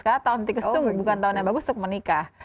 karena tahun tikus itu bukan tahun yang bagus untuk menikah